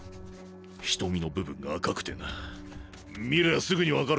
瞳の部分が赤くてな見りゃあすぐにわかるぜ。